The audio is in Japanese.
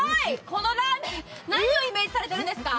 このラーメン、何をイメージされているんですか？